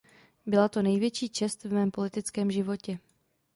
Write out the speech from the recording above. Byla to největší čest v mém politickém životě.